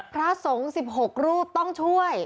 พระสงฆ์๑๖รูปต้องช่วย